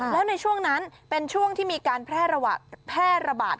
แล้วในช่วงนั้นเป็นช่วงที่มีการแพร่ระบาด